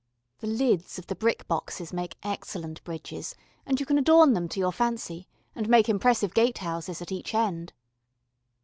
(The lids of the brick boxes make excellent bridges and you can adorn them to your fancy, and make impressive gate houses at each end.)